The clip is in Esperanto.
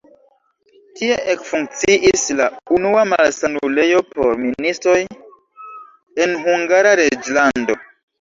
Tie ekfunkciis la unua malsanulejo por ministoj en Hungara reĝlando.